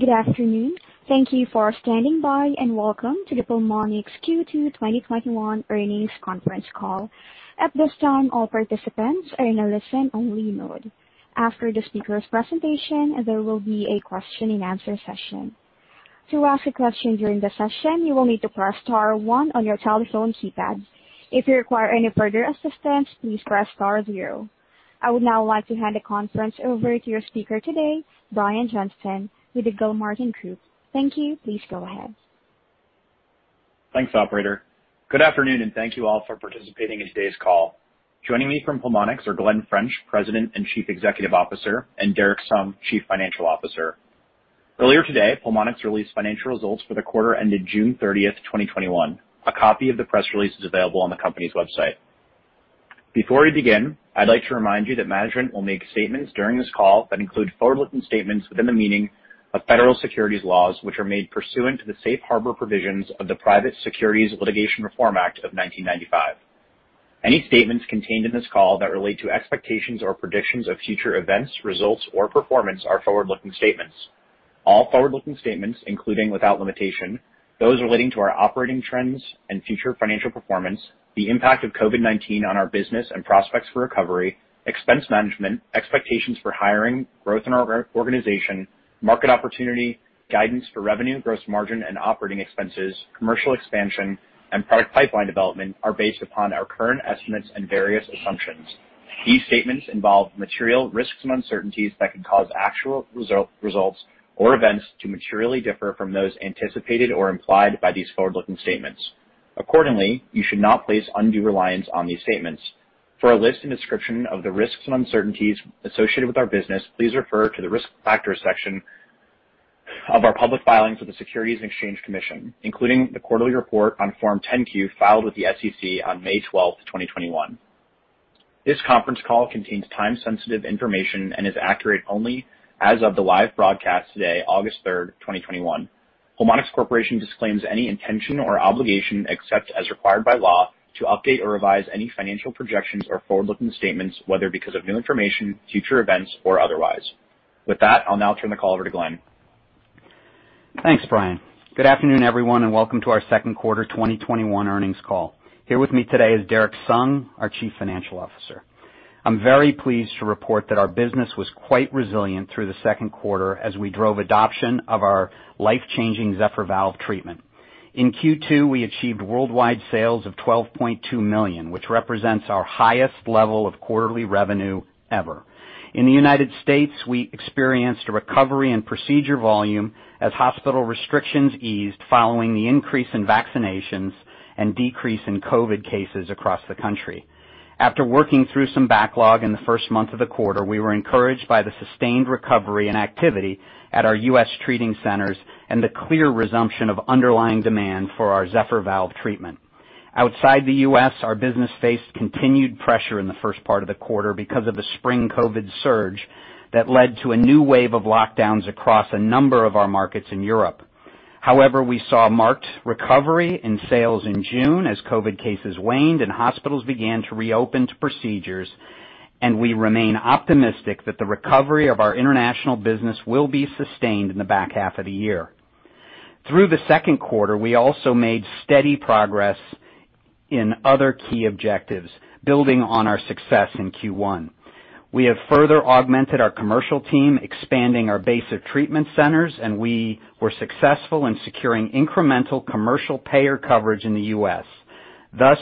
Good afternoon. Thank you for standing by, and welcome to the Pulmonx Q2 2021 earnings conference call. At this time, all participants are in a listen-only mode. After the speaker's presentation, there will be a question and answer session. To ask a question during the session, you will need to press star one on your telephone keypad. If you require any further assistance, please press star zero. I would now like to hand the conference over to your speaker today, Brian Johnston, with the Gilmartin Group. Thank you. Please go ahead. Thanks, operator. Good afternoon, and thank you all for participating in today's call. Joining me from Pulmonx are Glen French, President and Chief Executive Officer, and Derrick Sung, Chief Financial Officer. Earlier today, Pulmonx released financial results for the quarter ended June 30th, 2021. A copy of the press release is available on the company's website. Before we begin, I'd like to remind you that management will make statements during this call that include forward-looking statements within the meaning of federal securities laws, which are made pursuant to the Safe Harbor provisions of the Private Securities Litigation Reform Act of 1995. Any statements contained in this call that relate to expectations or predictions of future events, results, or performance are forward-looking statements. All forward-looking statements, including, without limitation, those relating to our operating trends and future financial performance, the impact of COVID-19 on our business and prospects for recovery, expense management, expectations for hiring, growth in our organization, market opportunity, guidance for revenue, gross margin, and operating expenses, commercial expansion, and product pipeline development are based upon our current estimates and various assumptions. These statements involve material risks and uncertainties that could cause actual results or events to materially differ from those anticipated or implied by these forward-looking statements. Accordingly, you should not place undue reliance on these statements. For a list and description of the risks and uncertainties associated with our business, please refer to the Risk Factors section of our public filings with the Securities and Exchange Commission, including the quarterly report on Form 10-Q filed with the SEC on May 12th, 2021. This conference call contains time-sensitive information and is accurate only as of the live broadcast today, August 3rd, 2021. Pulmonx Corporation disclaims any intention or obligation, except as required by law, to update or revise any financial projections or forward-looking statements, whether because of new information, future events, or otherwise. With that, I'll now turn the call over to Glen. Thanks, Brian. Good afternoon, everyone, and welcome to our second quarter 2021 earnings call. Here with me today is Derrick Sung, our Chief Financial Officer. I'm very pleased to report that our business was quite resilient through the second quarter as we drove adoption of our life-changing Zephyr Valve treatment. In Q2, we achieved worldwide sales of $12.2 million, which represents our highest level of quarterly revenue ever. In the U.S., we experienced a recovery in procedure volume as hospital restrictions eased following the increase in vaccinations and decrease in COVID cases across the country. After working through some backlog in the 1st month of the quarter, we were encouraged by the sustained recovery and activity at our U.S. treating centers and the clear resumption of underlying demand for our Zephyr Valve treatment. Outside the U.S., our business faced continued pressure in the first part of the quarter because of the spring COVID surge that led to a new wave of lockdowns across a number of our markets in Europe. We saw marked recovery in sales in June as COVID cases waned and hospitals began to reopen to procedures, and we remain optimistic that the recovery of our international business will be sustained in the back half of the year. Through the second quarter, we also made steady progress in other key objectives, building on our success in Q1. We have further augmented our commercial team, expanding our base of treatment centers, and we were successful in securing incremental commercial payer coverage in the U.S.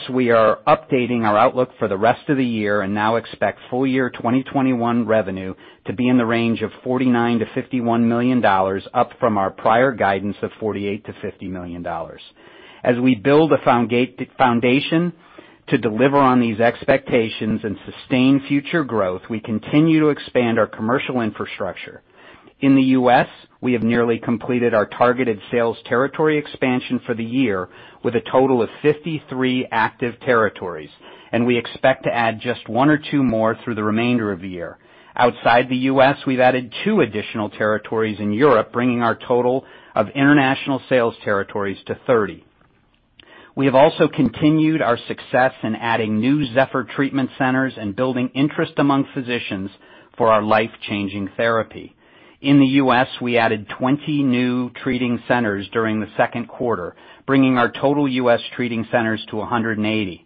We are updating our outlook for the rest of the year and now expect full year 2021 revenue to be in the range of $49 million-$51 million, up from our prior guidance of $48 million-$50 million. As we build a foundation to deliver on these expectations and sustain future growth, we continue to expand our commercial infrastructure. In the U.S., we have nearly completed our targeted sales territory expansion for the year with a total of 53 active territories, and we expect to add just one or two more through the remainder of the year. Outside the U.S., we've added two additional territories in Europe, bringing our total of international sales territories to 30. We have also continued our success in adding new Zephyr treatment centers and building interest among physicians for our life-changing therapy. In the U.S., we added 20 new treating centers during the second quarter, bringing our total U.S. treating centers to 180.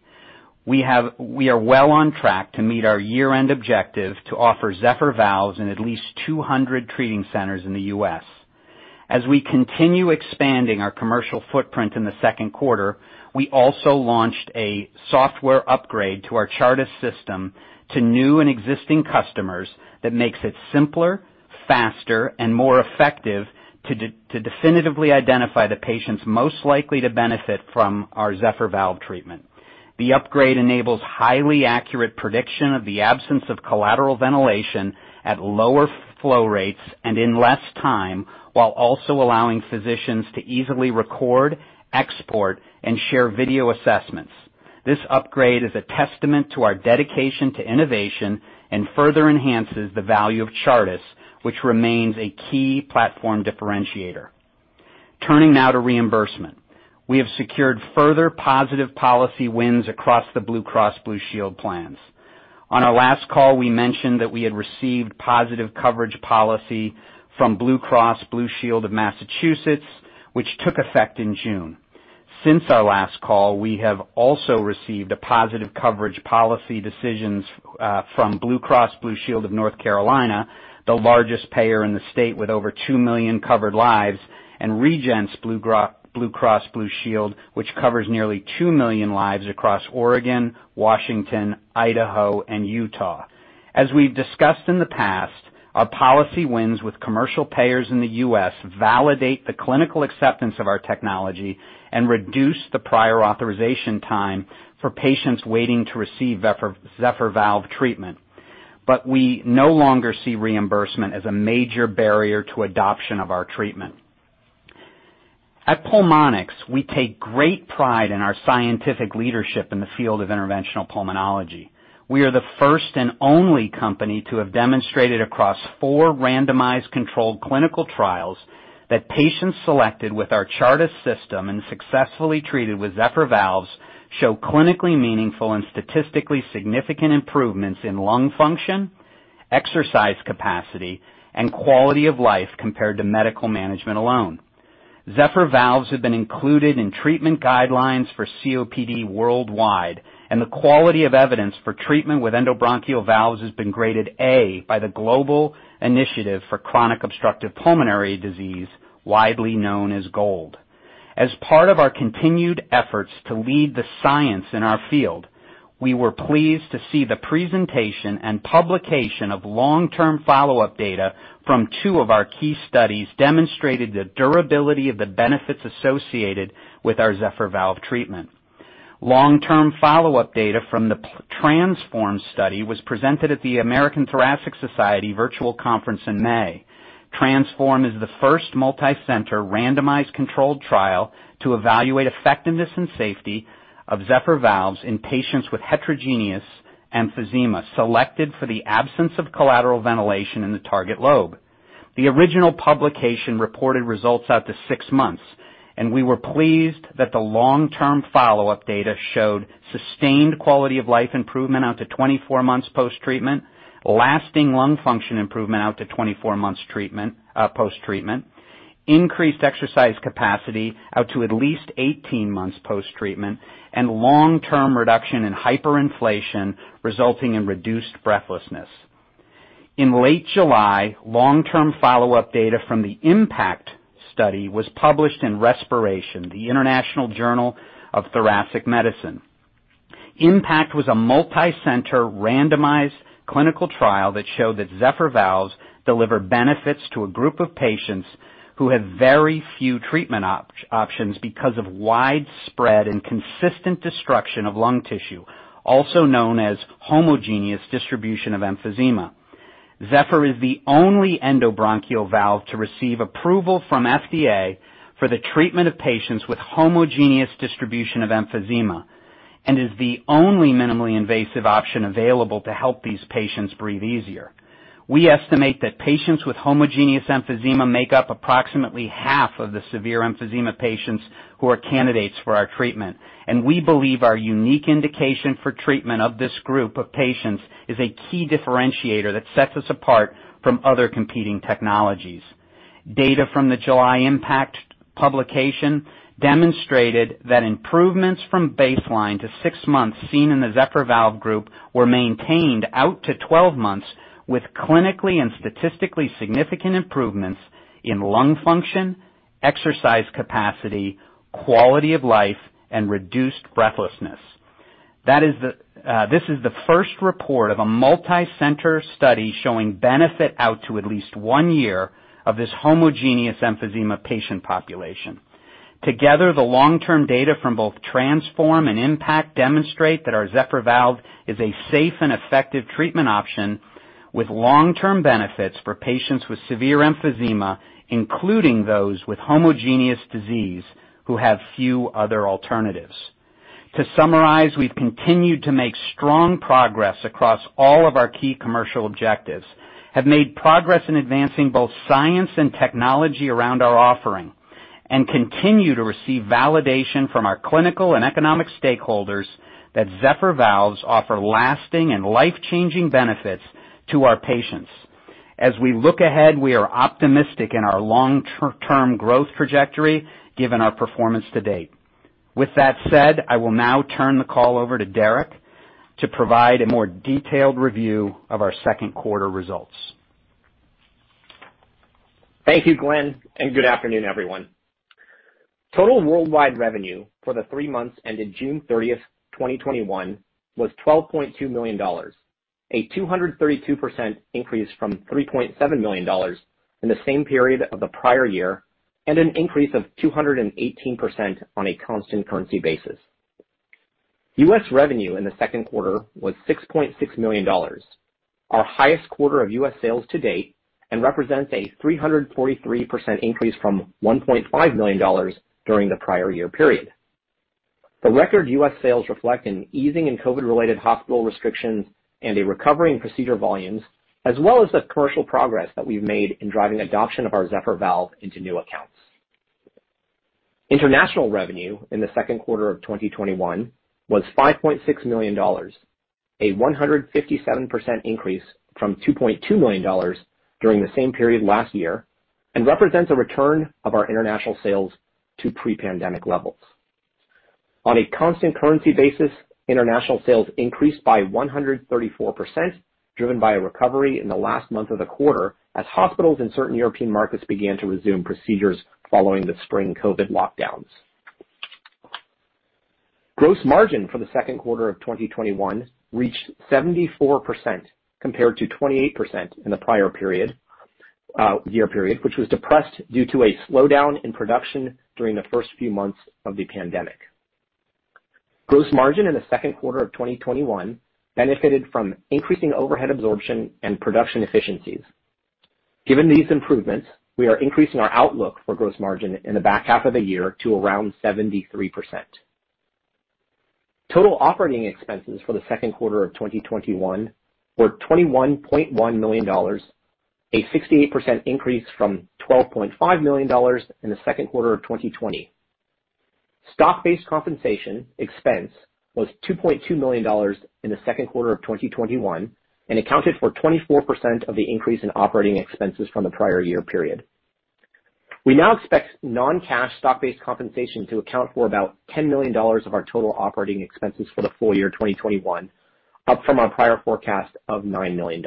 We are well on track to meet our year-end objective to offer Zephyr Valves in at least 200 treating centers in the U.S. As we continue expanding our commercial footprint in the second quarter, we also launched a software upgrade to our Chartis system to new and existing customers that makes it simpler, faster, and more effective to definitively identify the patients most likely to benefit from our Zephyr Valve treatment. The upgrade enables highly accurate prediction of the absence of collateral ventilation at lower flow rates and in less time, while also allowing physicians to easily record, export, and share video assessments. This upgrade is a testament to our dedication to innovation and further enhances the value of Chartis, which remains a key platform differentiator. Turning now to reimbursement. We have secured further positive policy wins across the Blue Cross Blue Shield plans. On our last call, we mentioned that we had received positive coverage policy from Blue Cross Blue Shield of Massachusetts, which took effect in June. Since our last call, we have also received positive coverage policy decisions from Blue Cross Blue Shield of North Carolina, the largest payer in the state with over 2 million covered lives, and Regence BlueCross BlueShield, which covers nearly 2 million lives across Oregon, Washington, Idaho, and Utah. As we've discussed in the past, our policy wins with commercial payers in the U.S. validate the clinical acceptance of our technology and reduce the prior authorization time for patients waiting to receive Zephyr Valve treatment. We no longer see reimbursement as a major barrier to adoption of our treatment. At Pulmonx, we take great pride in our scientific leadership in the field of interventional pulmonology. We are the first and only company to have demonstrated across four randomized controlled clinical trials that patients selected with our Chartis system and successfully treated with Zephyr Valves show clinically meaningful and statistically significant improvements in lung function, exercise capacity, and quality of life compared to medical management alone. Zephyr Valves have been included in treatment guidelines for COPD worldwide, and the quality of evidence for treatment with endobronchial valves has been graded A by the Global Initiative for Chronic Obstructive Pulmonary disease, widely known as GOLD. As part of our continued efforts to lead the science in our field, we were pleased to see the presentation and publication of long-term follow-up data from two of our key studies demonstrating the durability of the benefits associated with our Zephyr Valve treatment. Long-term follow-up data from the TRANSFORM study was presented at the American Thoracic Society Virtual Conference in May. TRANSFORM is the first multi-center randomized controlled trial to evaluate the effectiveness and safety of Zephyr Valves in patients with heterogeneous emphysema, selected for the absence of collateral ventilation in the target lobe. The original publication reported results out to six months, and we were pleased that the long-term follow-up data showed sustained quality of life improvement out to 24 months post-treatment, lasting lung function improvement out to 24 months post-treatment, increased exercise capacity out to at least 18 months post-treatment, and long-term reduction in hyperinflation, resulting in reduced breathlessness. In late July, long-term follow-up data from the IMPACT study was published in Respiration, the International Journal of Thoracic Medicine. IMPACT was a multicenter randomized clinical trial that showed that Zephyr Valves deliver benefits to a group of patients who have very few treatment options because of widespread and consistent destruction of lung tissue, also known as homogeneous distribution of emphysema. Zephyr is the only endobronchial valve to receive approval from FDA for the treatment of patients with homogeneous distribution of emphysema and is the only minimally invasive option available to help these patients breathe easier. We estimate that patients with homogeneous emphysema make up approximately half of the severe emphysema patients who are candidates for our treatment, and we believe our unique indication for treatment of this group of patients is a key differentiator that sets us apart from other competing technologies. Data from the July IMPACT publication demonstrated that improvements from baseline to six months seen in the Zephyr Valve group were maintained out to 12 months with clinically and statistically significant improvements in lung function, exercise capacity, quality of life, and reduced breathlessness. This is the first report of a multi-center study showing benefit out to at least one year of this homogeneous emphysema patient population. Together, the long-term data from both TRANSFORM and IMPACT demonstrate that our Zephyr Valve is a safe and effective treatment option with long-term benefits for patients with severe emphysema, including those with homogeneous disease who have few other alternatives. To summarize, we've continued to make strong progress across all of our key commercial objectives, have made progress in advancing both science and technology around our offering, and continue to receive validation from our clinical and economic stakeholders that Zephyr Valves offer lasting and life-changing benefits to our patients. As we look ahead, we are optimistic in our long-term growth trajectory given our performance to date. With that said, I will now turn the call over to Derrick to provide a more detailed review of our second quarter results. Thank you, Glen, and good afternoon, everyone. Total worldwide revenue for the three months ended June 30th, 2021, was $12.2 million, a 232% increase from $3.7 million in the same period of the prior year and an increase of 218% on a constant currency basis. U.S. revenue in the second quarter was $6.6 million, our highest quarter of U.S. sales to date, and represents a 343% increase from $1.5 million during the prior year period. The record U.S. sales reflect an easing in COVID-related hospital restrictions and a recovery in procedure volumes, as well as the commercial progress that we've made in driving adoption of our Zephyr Valve into new accounts. International revenue in the second quarter of 2021 was $5.6 million, a 157% increase from $2.2 million during the same period last year, and represents a return of our international sales to pre-pandemic levels. On a constant currency basis, international sales increased by 134%, driven by a recovery in the last month of the quarter as hospitals in certain European markets began to resume procedures following the spring COVID lockdowns. Gross margin for the second quarter of 2021 reached 74%, compared to 28% in the prior year period, which was depressed due to a slowdown in production during the first few months of the pandemic. Gross margin in the second quarter of 2021 benefited from increasing overhead absorption and production efficiencies. Given these improvements, we are increasing our outlook for gross margin in the back half of the year to around 73%. Total operating expenses for the second quarter of 2021 were $21.1 million, a 68% increase from $12.5 million in the second quarter of 2020. Stock-based compensation expense was $2.2 million in the second quarter of 2021 and accounted for 24% of the increase in operating expenses from the prior year period. We now expect non-cash stock-based compensation to account for about $10 million of our total operating expenses for the full year 2021, up from our prior forecast of $9 million.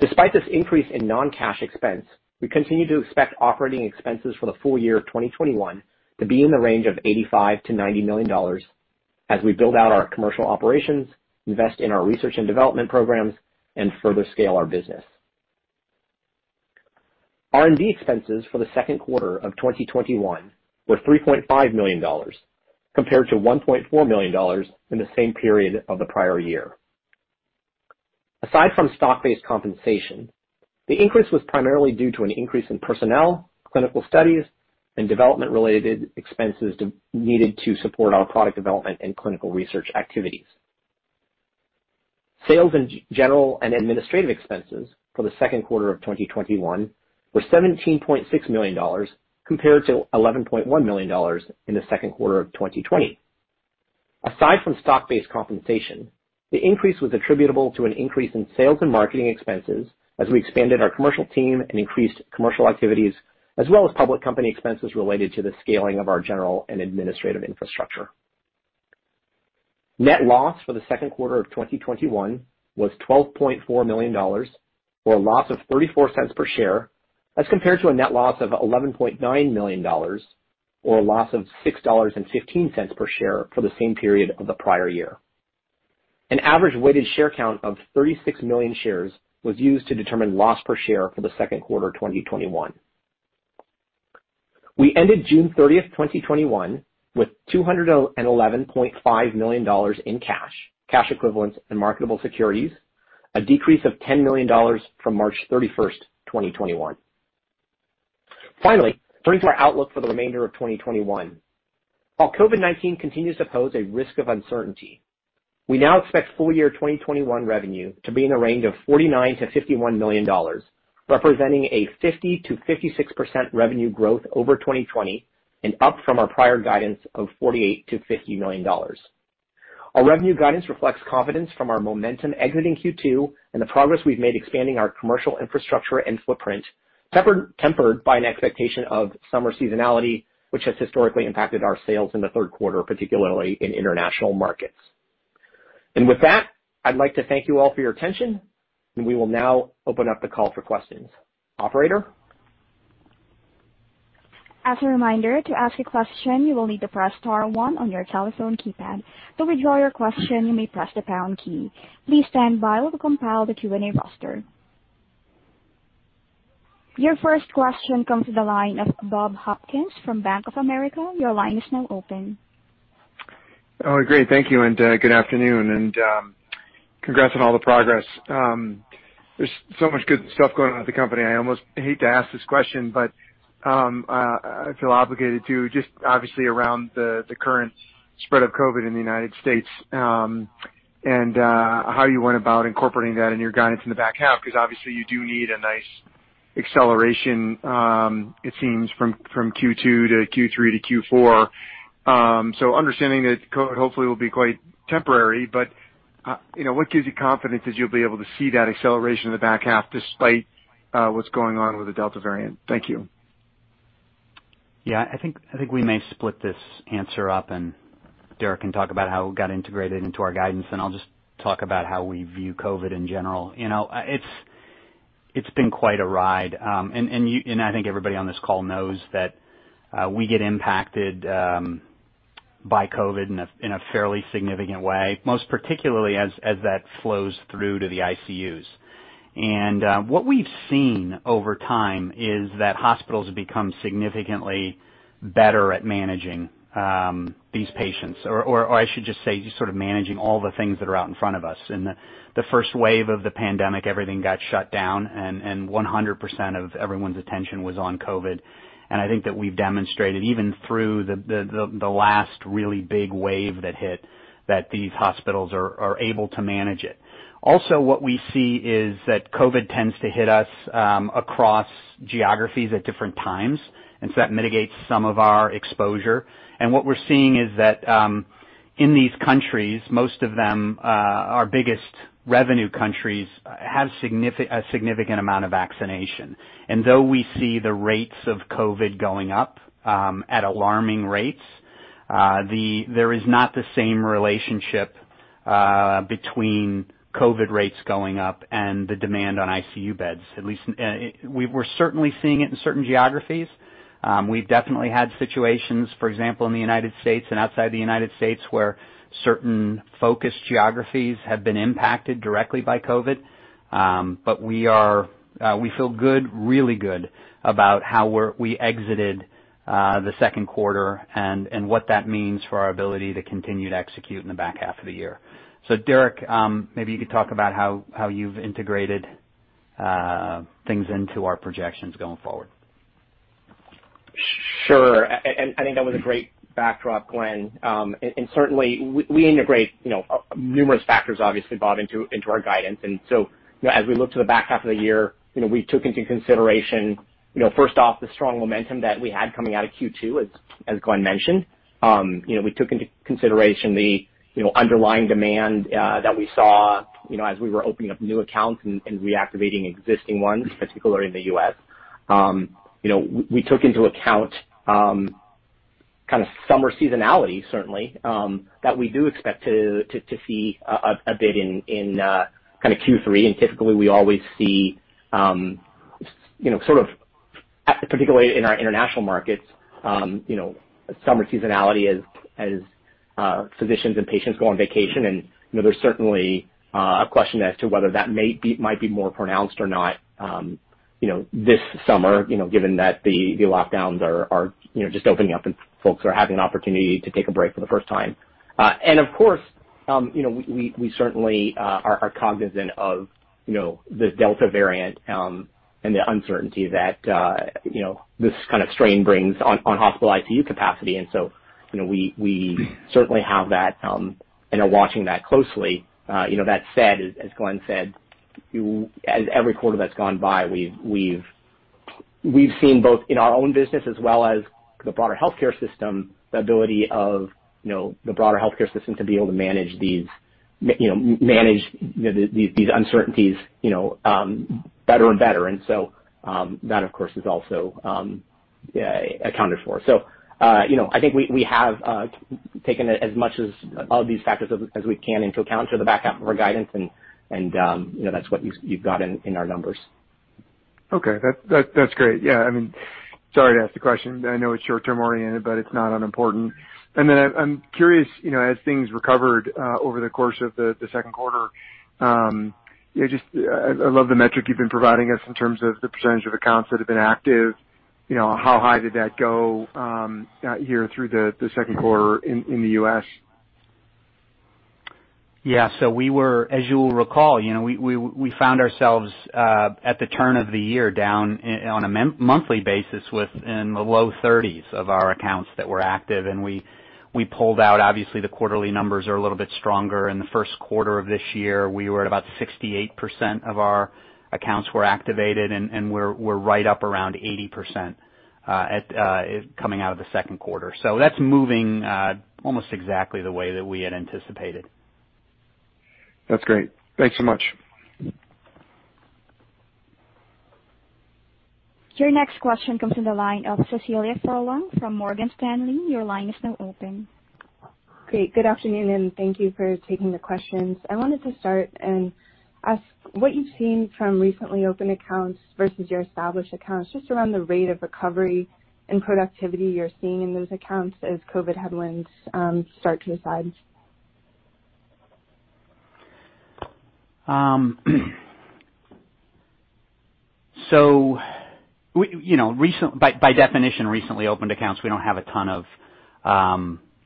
Despite this increase in non-cash expense, we continue to expect operating expenses for the full year of 2021 to be in the range of $85 million-$90 million as we build out our commercial operations, invest in our research and development programs, and further scale our business. R&D expenses for the second quarter of 2021 were $3.5 million, compared to $1.4 million in the same period of the prior year. Aside from stock-based compensation, the increase was primarily due to an increase in personnel, clinical studies, and development-related expenses needed to support our product development and clinical research activities. Sales and general and administrative expenses for the second quarter of 2021 were $17.6 million, compared to $11.1 million in the second quarter of 2020. Aside from stock-based compensation, the increase was attributable to an increase in sales and marketing expenses as we expanded our commercial team and increased commercial activities, as well as public company expenses related to the scaling of our general and administrative infrastructure. Net loss for the second quarter of 2021 was $12.4 million, or a loss of $0.34 per share, as compared to a net loss of $11.9 million, or a loss of $6.15 per share for the same period of the prior year. An average weighted share count of 36 million shares was used to determine loss per share for the second quarter 2021. We ended June 30th, 2021, with $211.5 million in cash equivalents, and marketable securities, a decrease of $10 million from March 31st, 2021. Finally, turning to our outlook for the remainder of 2021. While COVID-19 continues to pose a risk of uncertainty, we now expect full year 2021 revenue to be in the range of $49 million-$51 million, representing a 50%-56% revenue growth over 2020 and up from our prior guidance of $48 million-$50 million. Our revenue guidance reflects confidence from our momentum exiting Q2 and the progress we've made expanding our commercial infrastructure and footprint, tempered by an expectation of summer seasonality, which has historically impacted our sales in the third quarter, particularly in international markets. With that, I'd like to thank you all for your attention, and we will now open up the call for questions. Operator? As a reminder, to ask a question, you will need to press star one on your telephone keypad. To withdraw your question, you may press the pound key. Please stand by while we compile the Q&A roster. Your first question comes to the line of Bob Hopkins from Bank of America. Your line is now open. Oh, great. Thank you, and good afternoon. Congrats on all the progress. There's so much good stuff going on with the company, I almost hate to ask this question, but I feel obligated to just obviously around the current spread of COVID in the U.S. and how you went about incorporating that in your guidance in the back half, because obviously you do need a nice acceleration, it seems from Q2 to Q3 to Q4. Understanding that COVID hopefully will be quite temporary, but what gives you confidence that you'll be able to see that acceleration in the back half despite what's going on with the Delta variant? Thank you. Yeah, I think we may split this answer up and Derrick can talk about how it got integrated into our guidance, and I'll just talk about how we view COVID in general. It's been quite a ride. I think everybody on this call knows that we get impacted by COVID in a fairly significant way, most particularly as that flows through to the ICUs. What we've seen over time is that hospitals have become significantly better at managing these patients, or I should just say, just sort of managing all the things that are out in front of us. In the first wave of the pandemic, everything got shut down, and 100% of everyone's attention was on COVID. I think that we've demonstrated, even through the last really big wave that hit, that these hospitals are able to manage it. Also, what we see is that COVID tends to hit us across geographies at different times, and so that mitigates some of our exposure. What we're seeing is that in these countries, most of them, our biggest revenue countries, have a significant amount of vaccination. Though we see the rates of COVID going up at alarming rates, there is not the same relationship between COVID rates going up and the demand on ICU beds. We're certainly seeing it in certain geographies. We've definitely had situations, for example, in the United States and outside the United States, where certain focus geographies have been impacted directly by COVID. We feel good, really good, about how we exited the second quarter and what that means for our ability to continue to execute in the back half of the year. Derrick, maybe you could talk about how you've integrated things into our projections going forward. Sure. I think that was a great backdrop, Glen. Certainly, we integrate numerous factors, obviously, Bob, into our guidance. As we look to the back half of the year, we took into consideration first off, the strong momentum that we had coming out of Q2, as Glen mentioned. We took into consideration the underlying demand that we saw as we were opening up new accounts and reactivating existing ones, particularly in the U.S. We took into account kind of summer seasonality, certainly, that we do expect to see a bit in Q3. Typically, we always see sort of, particularly in our international markets, summer seasonality as physicians and patients go on vacation. There's certainly a question as to whether that might be more pronounced or not this summer, given that the lockdowns are just opening up and folks are having an opportunity to take a break for the first time. Of course, we certainly are cognizant of the Delta variant and the uncertainty that this kind of strain brings on hospital ICU capacity. We certainly have that and are watching that closely. That said, as Glen said, as every quarter that's gone by, we've seen both in our own business as well as the broader healthcare system, the ability of the broader healthcare system to be able to manage these uncertainties better and better. That, of course, is also accounted for. I think we have taken as much of these factors as we can into account for the back half of our guidance, and that's what you've got in our numbers. Okay. That's great. Yeah. Sorry to ask the question. I know it's short-term oriented, but it's not unimportant. I'm curious, as things recovered over the course of the second quarter, I love the metric you've been providing us in terms of the percentage of accounts that have been active. How high did that go here through the second quarter in the U.S.? Yeah. We were, as you'll recall, we found ourselves at the turn of the year down on a monthly basis within the low 30s of our accounts that were active. We pulled out, obviously, the quarterly numbers are a little bit stronger. In the first quarter of this year, we were at about 68% of our accounts were activated, and we're right up around 80% coming out of the second quarter. That's moving almost exactly the way that we had anticipated. That's great. Thanks so much. Your next question comes from the line of Cecilia Furlong from Morgan Stanley. Your line is now open. Great. Good afternoon. Thank you for taking the questions. I wanted to start and ask what you've seen from recently opened accounts versus your established accounts, just around the rate of recovery and productivity you're seeing in those accounts as COVID headwinds start to subside. By definition, recently opened accounts we don't have a ton of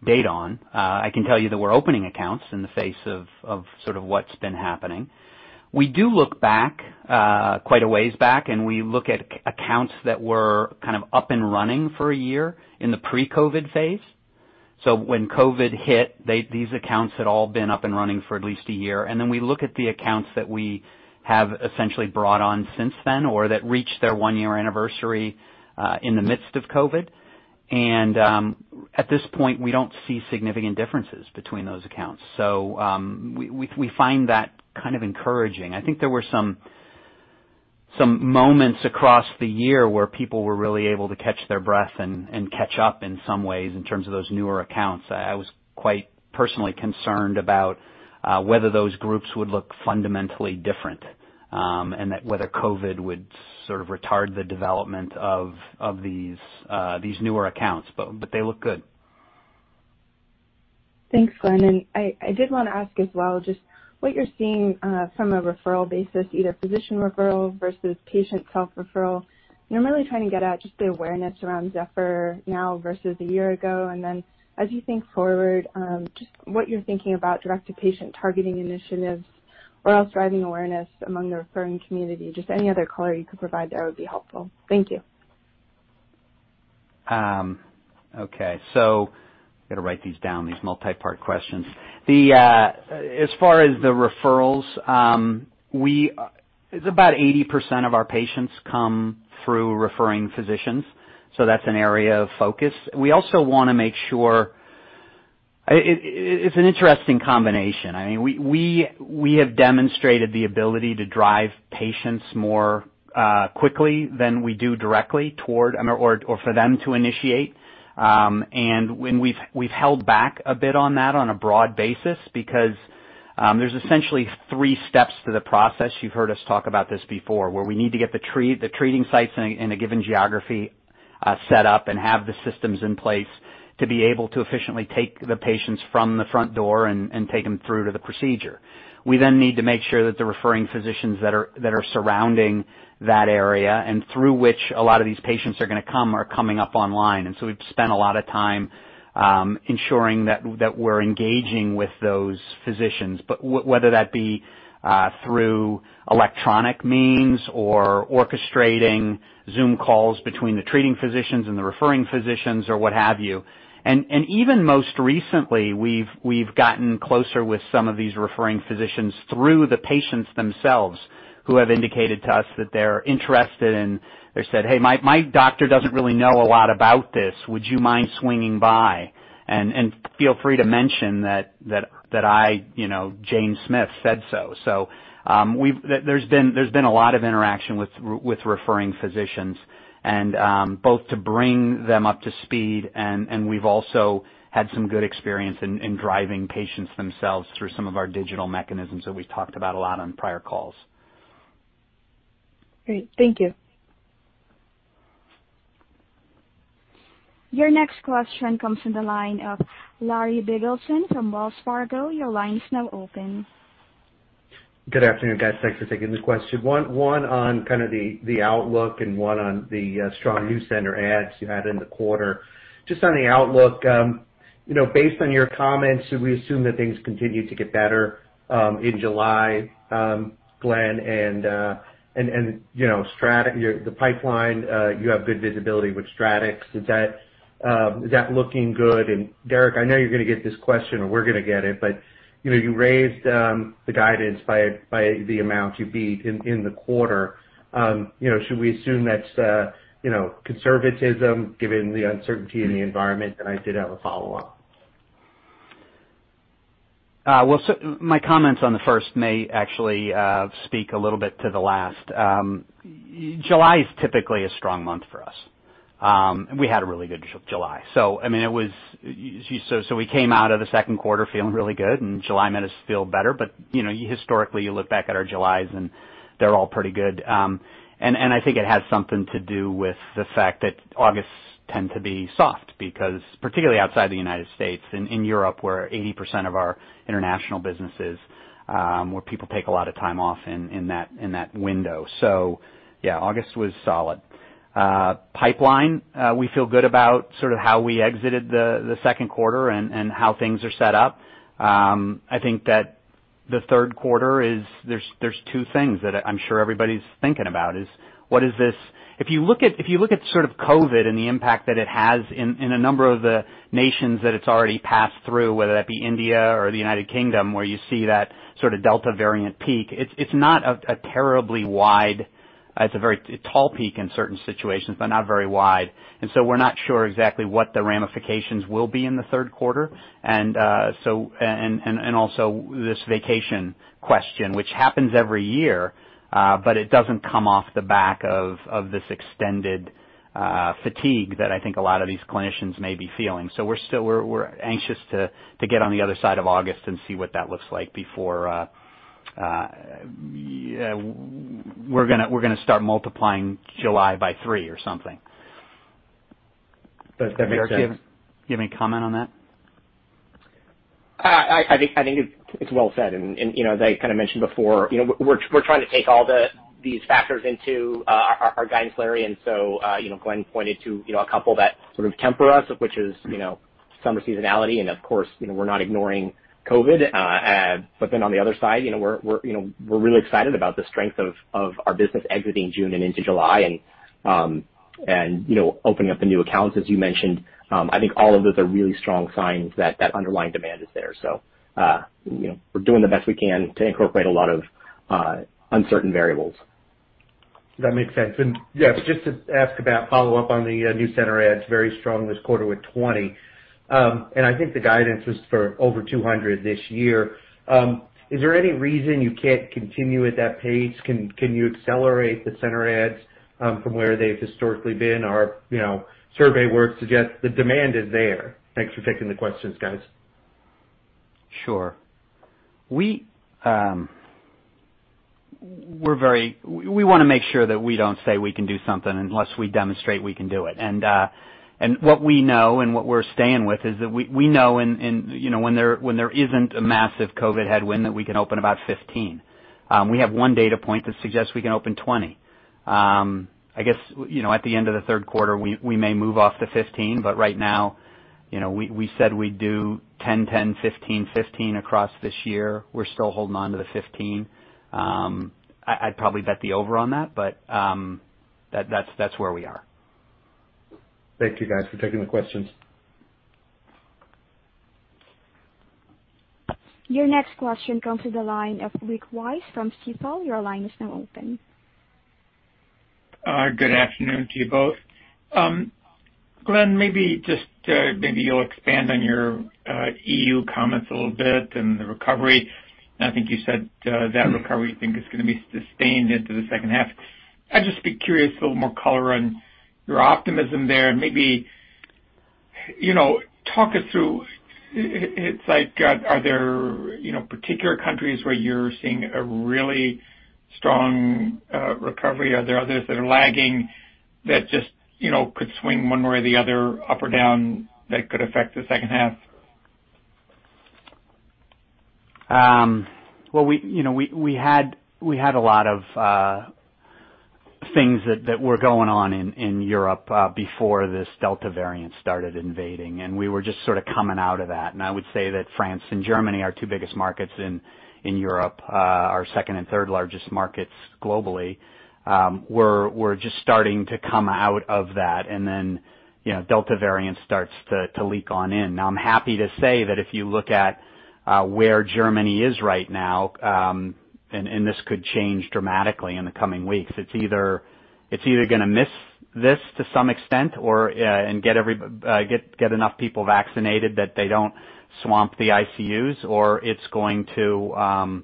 data on. I can tell you that we're opening accounts in the face of sort of what's been happening. We do look back, quite a ways back, and we look at accounts that were kind of up and running for a year in the pre-COVID phase. When COVID hit, these accounts had all been up and running for at least a year. We look at the accounts that we have essentially brought on since then, or that reached their one-year anniversary in the midst of COVID. At this point, we don't see significant differences between those accounts. We find that kind of encouraging. I think there were some moments across the year where people were really able to catch their breath and catch up in some ways in terms of those newer accounts. I was quite personally concerned about whether those groups would look fundamentally different, and that whether COVID would sort of retard the development of these newer accounts. They look good. Thanks, Glen. I did want to ask as well, just what you're seeing from a referral basis, either physician referral versus patient self-referral. I'm really trying to get at just the awareness around Zephyr now versus a year ago, and then as you think forward, just what you're thinking about direct-to-patient targeting initiatives or else driving awareness among the referring community. Just any other color you could provide there would be helpful. Thank you. Okay. Got to write these down, these multi-part questions. As far as the referrals, about 80% of our patients come through referring physicians, so that's an area of focus. It's an interesting combination. We have demonstrated the ability to drive patients more quickly than we do directly toward or for them to initiate. We've held back a bit on that on a broad basis because there's essentially three steps to the process. You've heard us talk about this before, where we need to get the treating sites in a given geography set up and have the systems in place to be able to efficiently take the patients from the front door and take them through to the procedure. We need to make sure that the referring physicians that are surrounding that area and through which a lot of these patients are going to come are coming up online. We've spent a lot of time ensuring that we're engaging with those physicians, whether that be through electronic means or orchestrating Zoom calls between the treating physicians and the referring physicians or what have you. Even most recently, we've gotten closer with some of these referring physicians through the patients themselves who have indicated to us that they're interested, and they said, "Hey, my doctor doesn't really know a lot about this. Would you mind swinging by? Feel free to mention that I, Jane Smith, said so. There's been a lot of interaction with referring physicians, and both to bring them up to speed, and we've also had some good experience in driving patients themselves through some of our digital mechanisms that we've talked about a lot on prior calls. Great. Thank you. Your next question comes from the line of Larry Biegelsen from Wells Fargo. Your line is now open. Good afternoon, guys. Thanks for taking the question. One on kind of the outlook and one on the strong new center adds you had in the quarter. Just on the outlook, based on your comments, should we assume that things continue to get better in July, Glen? The pipeline, you have good visibility with StratX. Is that looking good? Derrick, I know you're going to get this question, or we're going to get it, but you raised the guidance by the amount you beat in the quarter. Should we assume that's conservatism given the uncertainty in the environment? I did have a follow-up. Well, my comments on the first may actually speak a little bit to the last. July is typically a strong month for us. We had a really good July. We came out of the second quarter feeling really good, and July made us feel better. Historically, you look back at our Julys and they're all pretty good. I think it has something to do with the fact that Augusts tend to be soft because particularly outside the U.S. and in Europe, where 80% of our international business is, where people take a lot of time off in that window. Yeah, August was solid. Pipeline, we feel good about sort of how we exited the second quarter and how things are set up. I think that the third quarter, there's two things that I'm sure everybody's thinking about is If you look at sort of COVID and the impact that it has in a number of the nations that it's already passed through, whether that be India or the United Kingdom, where you see that sort of Delta variant peak, it's a very tall peak in certain situations, but not very wide. We're not sure exactly what the ramifications will be in the third quarter. Also this vacation question, which happens every year, but it doesn't come off the back of this extended fatigue that I think a lot of these clinicians may be feeling. We're anxious to get on the other side of August and see what that looks like before we're going to start multiplying July by three or something. Does that make sense? Derrick, do you have any comment on that? I think it's well said. As I kind of mentioned before, we're trying to take all these factors into our guidance, Larry. Glen pointed to a couple that sort of temper us, which is summer seasonality, and of course, we're not ignoring COVID. On the other side, we're really excited about the strength of our business exiting June and into July and opening up the new accounts, as you mentioned. I think all of those are really strong signs that that underlying demand is there. We're doing the best we can to incorporate a lot of uncertain variables. That makes sense. Yeah, just to ask about follow-up on the new center adds, very strong this quarter with 20. I think the guidance was for over 200 this year. Is there any reason you can't continue at that pace? Can you accelerate the center adds from where they've historically been? Our survey work suggests the demand is there. Thanks for taking the questions, guys. Sure. We want to make sure that we don't say we can do something unless we demonstrate we can do it. What we know and what we're staying with is that we know when there isn't a massive COVID headwind, that we can open about 15. We have one data point that suggests we can open 20. I guess, at the end of the third quarter, we may move off to 15, right now, we said we'd do 10, 15 across this year. We're still holding on to the 15. I'd probably bet the over on that's where we are. Thank you guys for taking the questions. Your next question comes to the line of Rick Wise from Stifel. Your line is now open. Good afternoon to you both. Glen, maybe you'll expand on your EU comments a little bit and the recovery. I think you said that recovery thing is going to be sustained into the second half. I'd just be curious, a little more color on your optimism there, and maybe talk us through. Are there particular countries where you're seeing a really strong recovery? Are there others that are lagging that just could swing one way or the other, up or down, that could affect the second half? We had a lot of things that were going on in Europe before this Delta variant started invading, and we were just sort of coming out of that. I would say that France and Germany are our two biggest markets in Europe, our second and third largest markets globally. We're just starting to come out of that, Delta variant starts to leak on in. I'm happy to say that if you look at where Germany is right now, this could change dramatically in the coming weeks, it's either going to miss this to some extent and get enough people vaccinated that they don't swamp the ICUs, or they're going to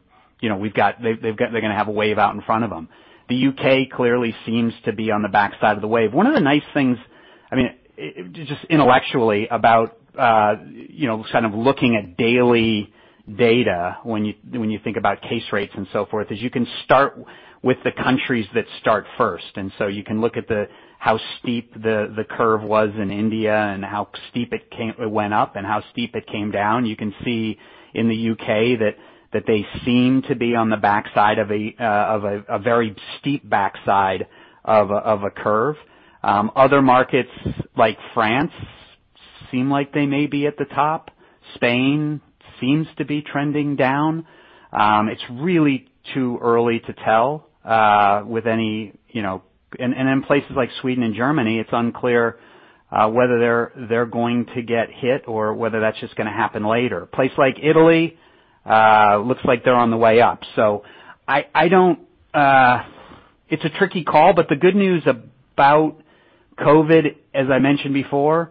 have a wave out in front of them. The U.K. clearly seems to be on the backside of the wave. One of the nice things, just intellectually, about looking at daily data when you think about case rates and so forth, is you can start with the countries that start first. You can look at how steep the curve was in India and how steep it went up and how steep it came down. You can see in the U.K. that they seem to be on the backside of a very steep backside of a curve. Other markets, like France, seem like they may be at the top. Spain seems to be trending down. It's really too early to tell. In places like Sweden and Germany, it's unclear whether they're going to get hit or whether that's just going to happen later. A place like Italy looks like they're on the way up. It's a tricky call, but the good news about COVID, as I mentioned before, is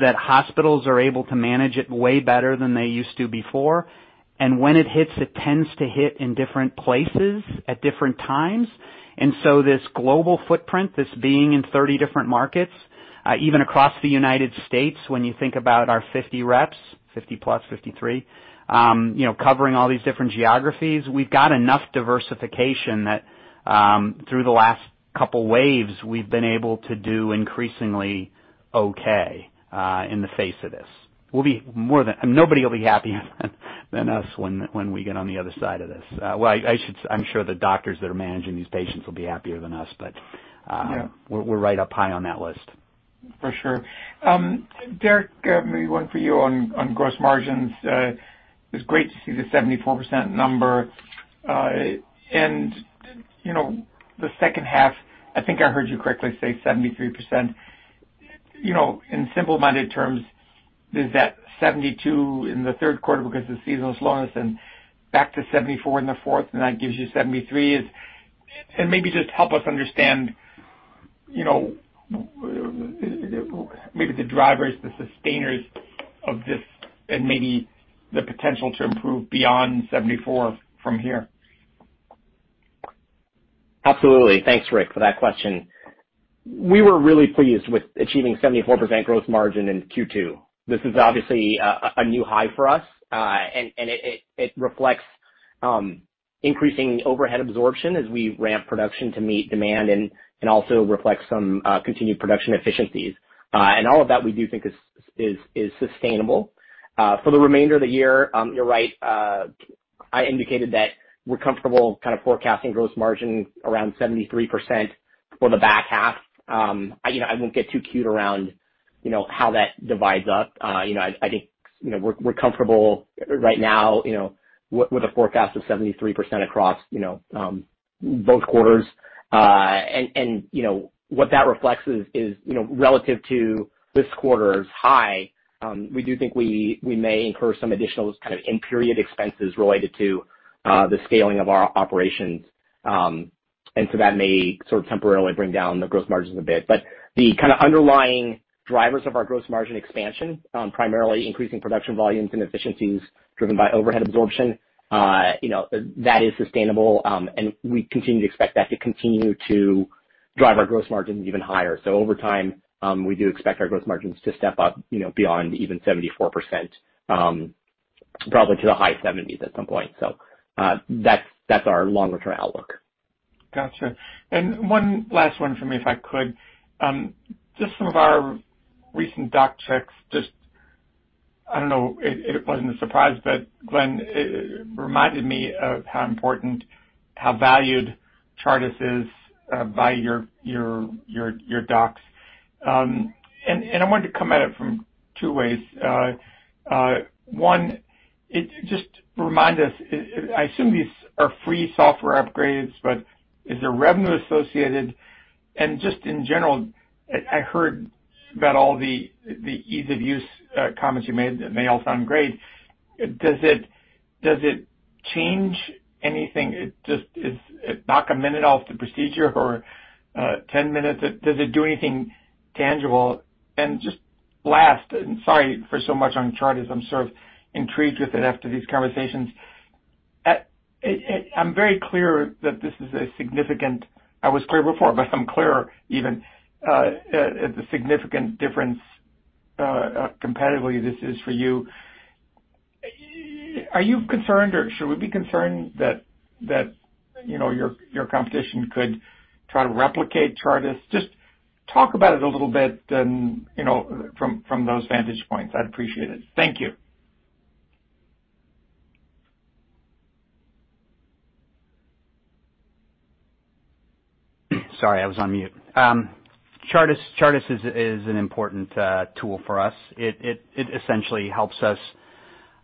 that hospitals are able to manage it way better than they used to before. When it hits, it tends to hit in different places at different times. This global footprint, this being in 30 different markets, even across the United States, when you think about our 50 reps, 50+ 53, covering all these different geographies, we've got enough diversification that through the last couple waves, we've been able to do increasingly okay in the face of this. Nobody will be happier than us when we get on the other side of this. I'm sure the doctors that are managing these patients will be happier than us. Yeah We're right up high on that list. For sure. Derrick, maybe one for you on gross margins. It's great to see the 74% number. The second half, I think I heard you correctly say 73%. In simple-minded terms, is that 72% in the third quarter because the season was slowest and back to 74% in the fourth, and that gives you 73%? Maybe just help us understand maybe the drivers, the sustainers of this and maybe the potential to improve beyond 74% from here. Absolutely. Thanks, Rick, for that question. We were really pleased with achieving 74% gross margin in Q2. This is obviously a new high for us. It reflects increasing overhead absorption as we ramp production to meet demand and also reflects some continued production efficiencies. All of that we do think is sustainable. For the remainder of the year, you're right, I indicated that we're comfortable forecasting gross margin around 73% for the back half. I won't get too cute around how that divides up. I think we're comfortable right now with a forecast of 73% across both quarters. What that reflects is relative to this quarter's high, we do think we may incur some additional kind of in-period expenses related to the scaling of our operations. That may sort of temporarily bring down the gross margins a bit. The kind of underlying drivers of our gross margin expansion, primarily increasing production volumes and efficiencies driven by overhead absorption, that is sustainable, and we continue to expect that to continue to drive our gross margins even higher. Over time, we do expect our gross margins to step up beyond even 74%. Probably to the high 70s at some point. That's our long return outlook. Got you. One last one from me, if I could. Just some of our recent doc checks, I don't know, it wasn't a surprise, but Glen, it reminded me of how important, how valued Chartis is by your docs. I wanted to come at it from two ways. 1, just remind us, I assume these are free software upgrades, is there revenue associated? Just in general, I heard about all the ease of use comments you made. They all sound great. Does it change anything? Does it knock a minute off the procedure or 10 minutes? Does it do anything tangible? Just last, sorry for so much on Chartis, I'm sort of intrigued with it after these conversations. I'm very clear that this is a significant, I was clear before, I'm clearer even, the significant difference competitively this is for you. Are you concerned or should we be concerned that your competition could try to replicate Chartis? Just talk about it a little bit from those vantage points. I'd appreciate it. Thank you. Sorry, I was on mute. Chartis is an important tool for us. It essentially helps us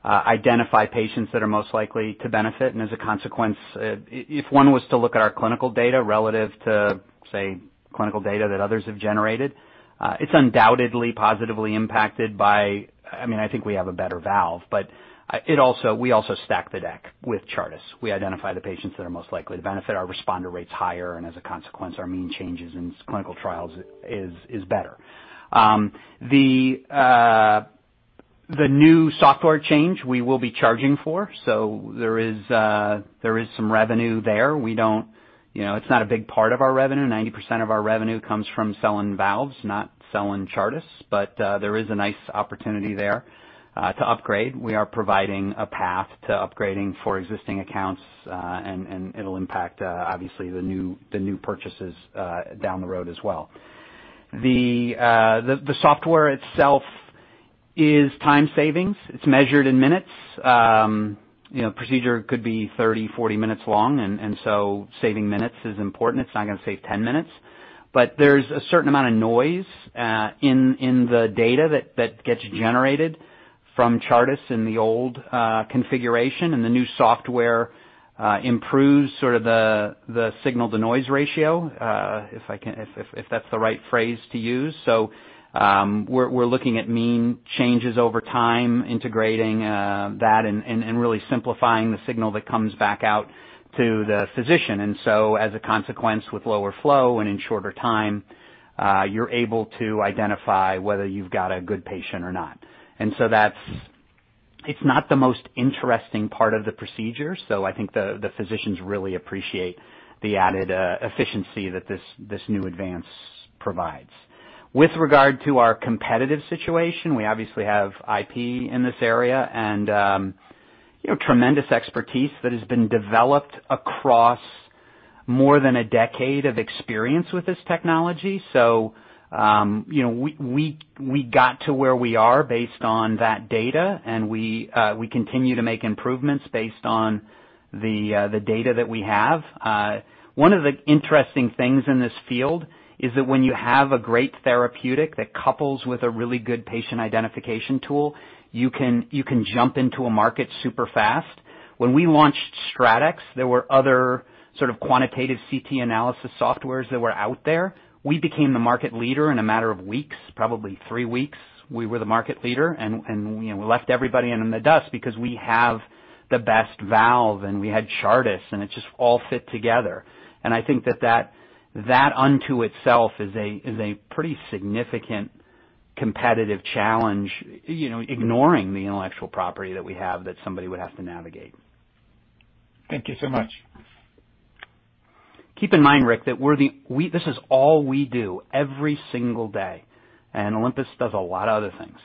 identify patients that are most likely to benefit. As a consequence, if one was to look at our clinical data relative to, say, clinical data that others have generated, it's undoubtedly positively impacted by I think we have a better valve, but we also stack the deck with Chartis. We identify the patients that are most likely to benefit. Our responder rate's higher, and as a consequence, our mean changes in clinical trials is better. The new software change we will be charging for, so there is some revenue there. It's not a big part of our revenue. 90% of our revenue comes from selling valves, not selling Chartis, but there is a nice opportunity there to upgrade. We are providing a path to upgrading for existing accounts, and it'll impact, obviously, the new purchases down the road as well. The software itself is time savings. It's measured in minutes. A procedure could be 30, 40 minutes long, and so saving minutes is important. It's not going to save 10 minutes. There's a certain amount of noise in the data that gets generated from Chartis in the old configuration, and the new software improves sort of the signal-to-noise ratio, if that's the right phrase to use. We're looking at mean changes over time, integrating that and really simplifying the signal that comes back out to the physician. As a consequence, with lower flow and in shorter time, you're able to identify whether you've got a good patient or not. It's not the most interesting part of the procedure, so I think the physicians really appreciate the added efficiency that this new advance provides. With regard to our competitive situation, we obviously have IP in this area and tremendous expertise that has been developed across more than a decade of experience with this technology. We got to where we are based on that data, and we continue to make improvements based on the data that we have. One of the interesting things in this field is that when you have a great therapeutic that couples with a really good patient identification tool, you can jump into a market super fast. When we launched StratX, there were other sort of quantitative CT analysis softwares that were out there. We became the market leader in a matter of weeks, probably three weeks, we were the market leader. We left everybody in the dust because we have the best valve, and we had Chartis, and it just all fit together. I think that unto itself is a pretty significant competitive challenge, ignoring the intellectual property that we have that somebody would have to navigate. Thank you so much. Keep in mind, Rick, that this is all we do every single day. Olympus does a lot of other things.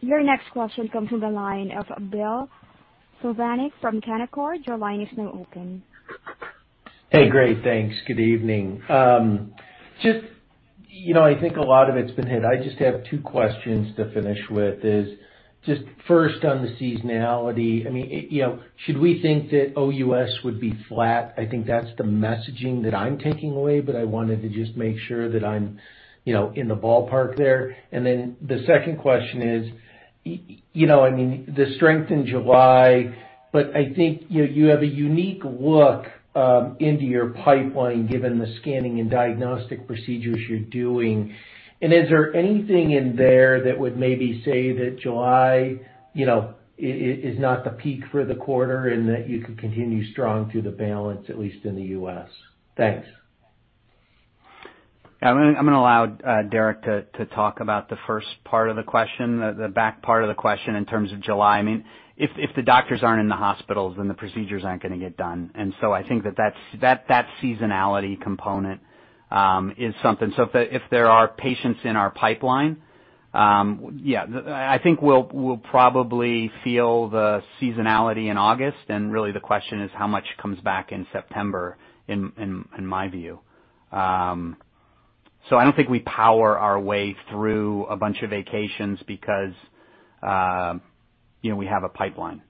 Your next question comes from the line of Bill Plovanic from Canaccord. Your line is now open. Hey, great. Thanks. Good evening. I think a lot of it's been hit. I just have two questions to finish with is just first on the seasonality. Should we think that OUS would be flat? I think that's the messaging that I'm taking away. I wanted to just make sure that I'm in the ballpark there. The second question is, the strength in July. I think you have a unique look into your pipeline given the scanning and diagnostic procedures you're doing. Is there anything in there that would maybe say that July is not the peak for the quarter and that you could continue strong through the balance, at least in the U.S.? Thanks. I'm going to allow Derrick to talk about the first part of the question, the back part of the question in terms of July. If the doctors aren't in the hospitals, then the procedures aren't going to get done. I think that seasonality component is something. If there are patients in our pipeline. Yeah. I think we'll probably feel the seasonality in August, and really the question is how much comes back in September, in my view. I don't think we power our way through a bunch of vacations because we have a pipeline.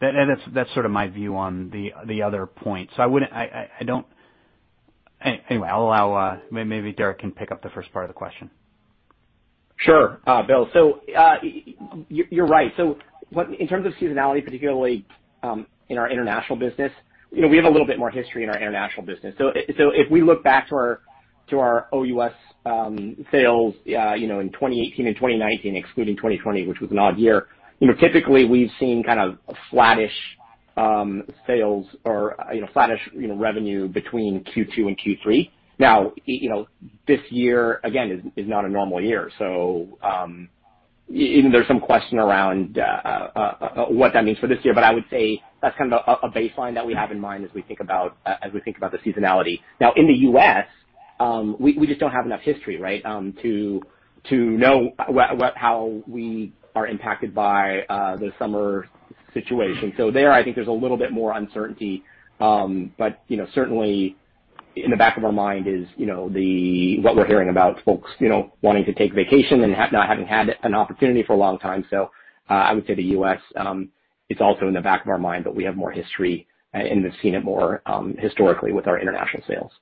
That's my view on the other point. Anyway, I'll allow Maybe Derrick can pick up the first part of the question. Sure. Bill, you're right. In terms of seasonality, particularly in our international business, we have a little bit more history in our international business. If we look back to our OUS sales in 2018 and 2019, excluding 2020, which was an odd year. Typically, we've seen kind of flattish sales or flattish revenue between Q2 and Q3. This year, again, is not a normal year, so there's some question around what that means for this year. I would say that's kind of a baseline that we have in mind as we think about the seasonality. In the U.S., we just don't have enough history, right? To know how we are impacted by the summer situation. There, I think there's a little bit more uncertainty. Certainly, in the back of our mind is what we're hearing about folks wanting to take vacation and not having had an opportunity for a long time. I would say the U.S., it's also in the back of our mind, but we have more history and we've seen it more historically with our international sales.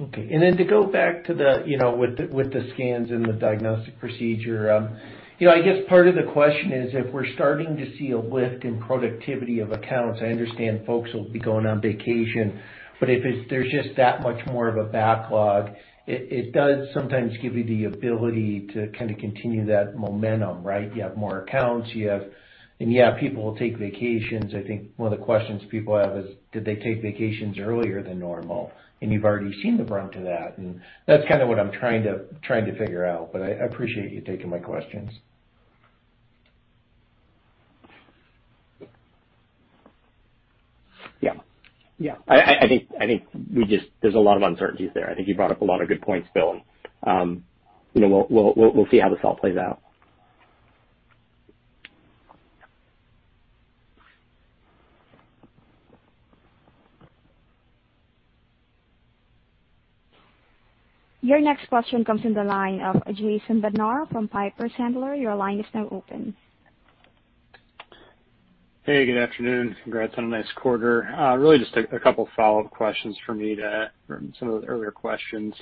Okay. To go back with the scans and the diagnostic procedure. I guess part of the question is, if we're starting to see a lift in productivity of accounts, I understand folks will be going on vacation, but if there's just that much more of a backlog, it does sometimes give you the ability to kind of continue that momentum, right? You have more accounts. Yeah, people will take vacations. I think one of the questions people have is, did they take vacations earlier than normal? You've already seen the brunt of that, and that's kind of what I'm trying to figure out, but I appreciate you taking my questions. Yeah. I think there's a lot of uncertainties there. I think you brought up a lot of good points, Bill. We'll see how this all plays out. Your next question comes from the line of Jason Bednar from Piper Sandler. Your line is now open. Hey, good afternoon. Congrats on a nice quarter. Really just a couple follow-up questions for me to some of the earlier questions.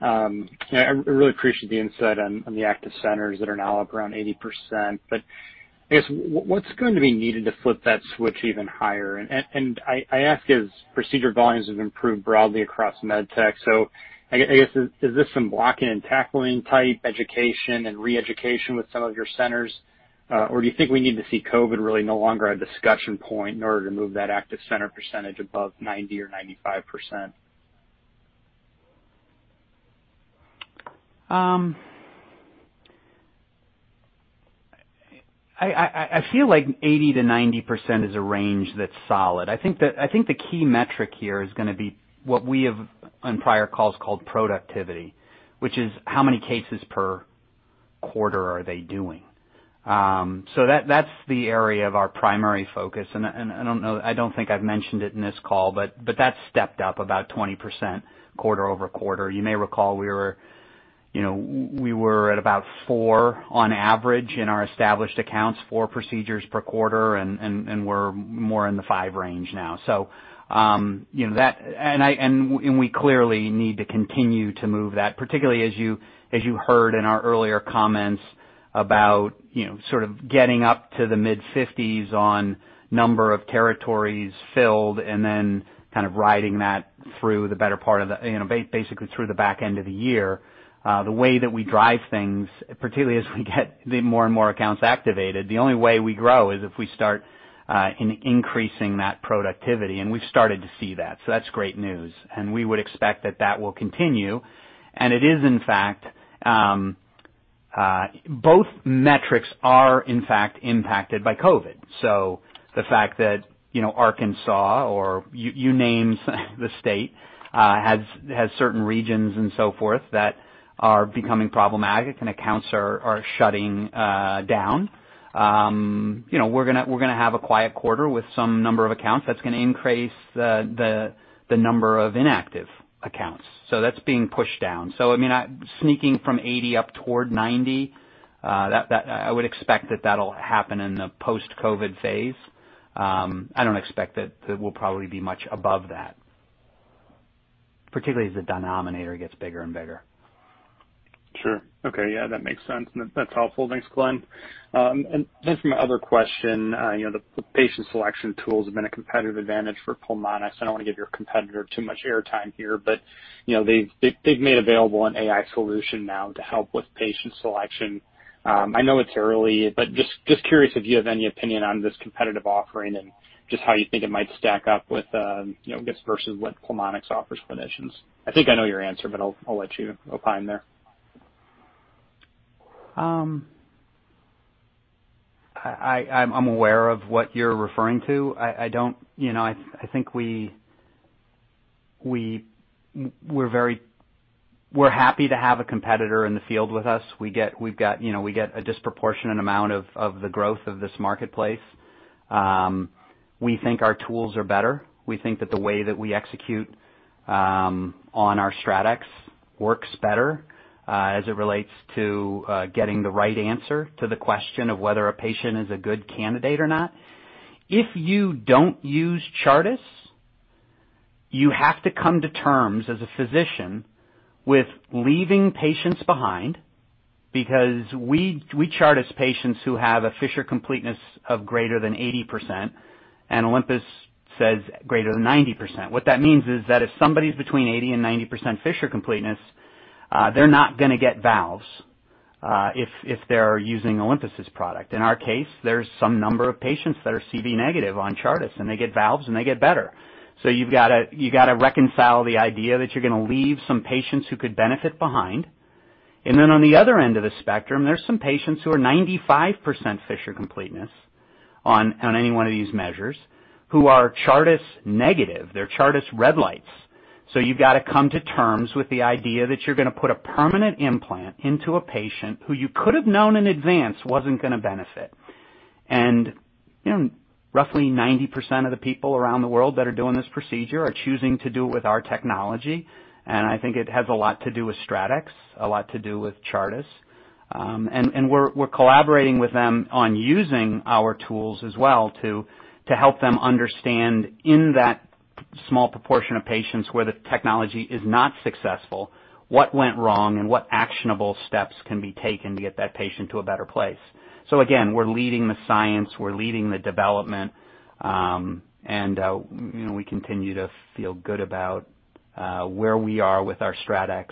I really appreciate the insight on the active centers that are now up around 80%. I guess, what's going to be needed to flip that switch even higher? I ask as procedure volumes have improved broadly across med tech. I guess is this some blocking and tackling type education and re-education with some of your centers? Do you think we need to see COVID really no longer a discussion point in order to move that active center percentage above 90% or 95%? I feel like 80%-90% is a range that's solid. I think the key metric here is going to be what we have on prior calls called productivity, which is how many cases per quarter are they doing. That's the area of our primary focus, and I don't think I've mentioned it in this call, but that's stepped up about 20% quarter-over-quarter. You may recall we were at about four on average in our established accounts, four procedures per quarter, and we're more in the five range now. We clearly need to continue to move that, particularly as you heard in our earlier comments about sort of getting up to the mid-50s on number of territories filled and then kind of riding that through the better part of the basically through the back end of the year. The way that we drive things, particularly as we get more and more accounts activated, the only way we grow is if we start increasing that productivity, we've started to see that. That's great news, we would expect that that will continue, it is in fact Both metrics are in fact impacted by COVID. The fact that Arkansas or you name the state has certain regions and so forth that are becoming problematic and accounts are shutting down. We're going to have a quiet quarter with some number of accounts that's going to increase the number of inactive accounts. That's being pushed down. Sneaking from 80 up toward 90, I would expect that that'll happen in the post-COVID phase. I don't expect that we'll probably be much above that, particularly as the denominator gets bigger and bigger. Sure. Okay. Yeah, that makes sense, and that's helpful. Thanks, Glen. For my other question. The patient selection tools have been a competitive advantage for Pulmonx. I don't want to give your competitor too much air time here, but they've made available an AI solution now to help with patient selection. I know it's early, but just curious if you have any opinion on this competitive offering and just how you think it might stack up with, I guess versus what Pulmonx offers clinicians. I think I know your answer, but I'll let you opine there. I'm aware of what you're referring to. We're happy to have a competitor in the field with us. We get a disproportionate amount of the growth of this marketplace. We think our tools are better. We think that the way that we execute on our StratX works better, as it relates to getting the right answer to the question of whether a patient is a good candidate or not. If you don't use Chartis, you have to come to terms as a physician with leaving patients behind, because we Chartis patients who have a fissure completeness of greater than 80%, and Olympus says greater than 90%. What that means is that if somebody's between 80 and 90% fissure completeness, they're not going to get valves if they're using Olympus's product. In our case, there's some number of patients that are CV negative on Chartis, and they get valves and they get better. You've got to reconcile the idea that you're going to leave some patients who could benefit behind. On the other end of the spectrum, there's some patients who are 95% fissure completeness on any one of these measures who are Chartis negative. They're Chartis red lights. You've got to come to terms with the idea that you're going to put a permanent implant into a patient who you could have known in advance wasn't going to benefit. Roughly 90% of the people around the world that are doing this procedure are choosing to do it with our technology, and I think it has a lot to do with StratX, a lot to do with Chartis. We're collaborating with them on using our tools as well to help them understand, in that small proportion of patients where the technology is not successful, what went wrong and what actionable steps can be taken to get that patient to a better place. Again, we're leading the science, we're leading the development, and we continue to feel good about where we are with our StratX.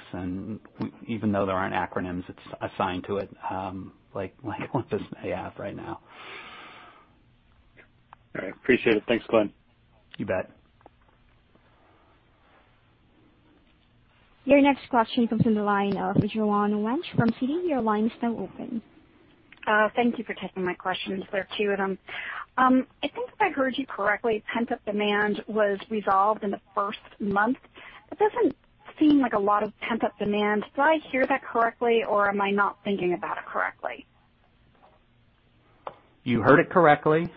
Even though there aren't acronyms assigned to it like Olympus may have right now. All right. Appreciate it. Thanks, Glen. You bet. Your next question comes from the line of Joanne Wuensch from Citi. Thank you for taking my questions. There are two of them. I think if I heard you correctly, pent-up demand was resolved in the first month. That doesn't seem like a lot of pent-up demand. Did I hear that correctly or am I not thinking about it correctly? You heard it correctly.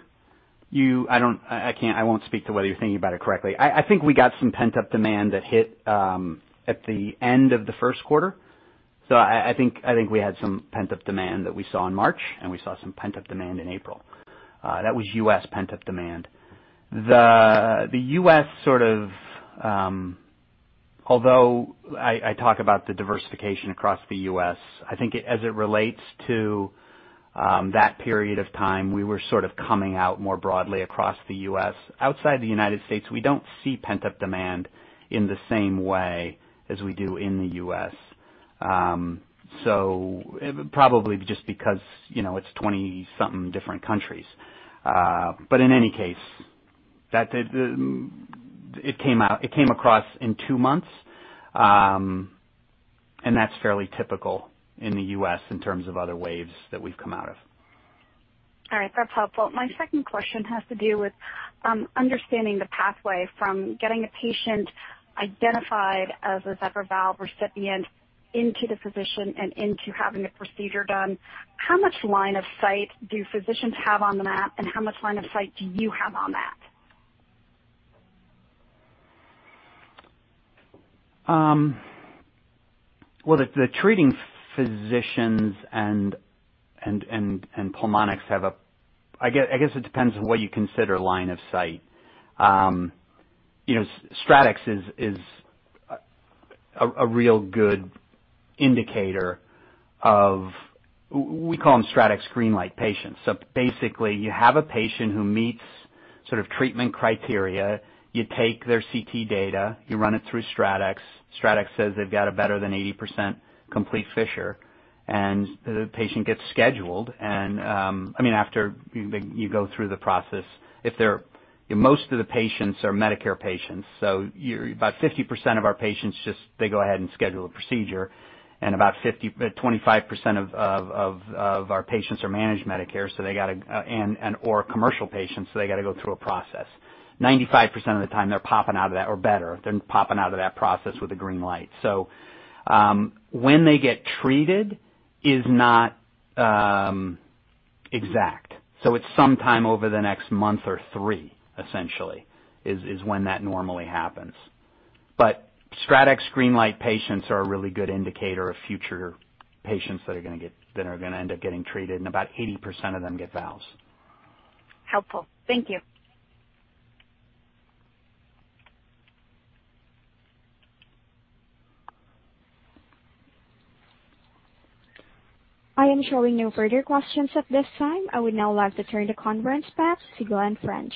I won't speak to whether you're thinking about it correctly. I think we got some pent-up demand that hit at the end of the first quarter. I think we had some pent-up demand that we saw in March, and we saw some pent-up demand in April. That was U.S. pent-up demand. The U.S., although I talk about the diversification across the U.S., I think as it relates to that period of time, we were sort of coming out more broadly across the U.S. Outside the United States, we don't see pent-up demand in the same way as we do in the U.S. Probably just because it's 20-something different countries. In any case, it came across in two months. That's fairly typical in the U.S. in terms of other waves that we've come out of. All right. That's helpful. My second question has to do with understanding the pathway from getting a patient identified as a Zephyr Valve recipient into the physician and into having the procedure done. How much line of sight do physicians have on that, and how much line of sight do you have on that? Well, the treating physicians and Pulmonx have I guess it depends on what you consider line of sight. StratX is a real good indicator of, we call them StratX green light patients. Basically, you have a patient who meets sort of treatment criteria. You take their CT data, you run it through StratX. StratX says they've got a better than 80% complete fissure, and the patient gets scheduled. After you go through the process. Most of the patients are Medicare patients. About 50% of our patients just go ahead and schedule a procedure. About 25% of our patients are Managed Medicare or commercial patients, so they got to go through a process. 95% of the time, they're popping out of that, or better, they're popping out of that process with a green light. When they get treated is not exact. It's sometime over the next month or three, essentially, is when that normally happens. StratX green light patients are a really good indicator of future patients that are going to end up getting treated, and about 80% of them get valves. Helpful. Thank you. I am showing no further questions at this time. I would now like to turn the conference back to Glen French.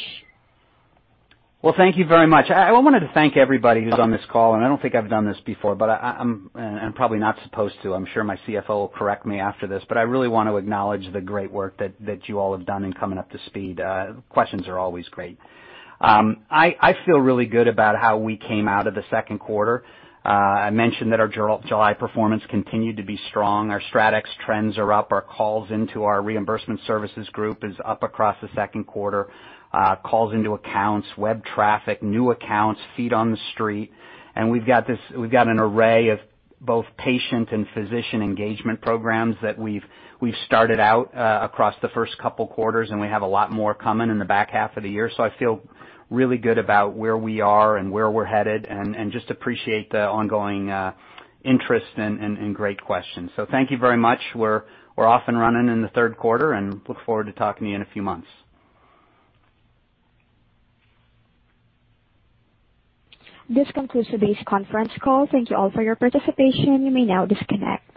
Well, thank you very much. I wanted to thank everybody who's on this call. I don't think I've done this before, but I'm probably not supposed to. I'm sure my CFO will correct me after this, but I really want to acknowledge the great work that you all have done in coming up to speed. Questions are always great. I feel really good about how we came out of the 2nd quarter. I mentioned that our July performance continued to be strong. Our StratX trends are up. Our calls into our reimbursement services group is up across the 2nd quarter. Calls into accounts, web traffic, new accounts, feet on the street. We've got an array of both patient and physician engagement programs that we've started out across the 1st couple quarters, and we have a lot more coming in the back half of the year. I feel really good about where we are and where we're headed, and just appreciate the ongoing interest and great questions. Thank you very much. We're off and running in the third quarter, and look forward to talking to you in a few months. This concludes today's conference call. Thank you all for your participation. You may now disconnect.